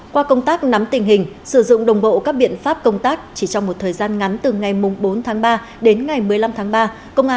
qua công tác nắm tình hình sử dụng đồng bộ các biện pháp công tác chỉ trong một thời gian ngắn từ ngày bốn tháng ba đến ngày một mươi năm tháng ba